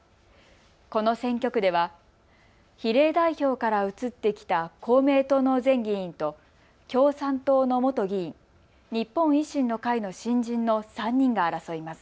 この選挙区では比例代表から移ってきた公明党の前議員と共産党の元議員、日本維新の会の新人の３人が争います。